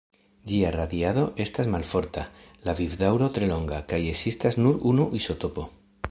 Ĝia radiado estas malforta, la vivdaŭro tre longa, kaj ekzistas nur unu izotopo.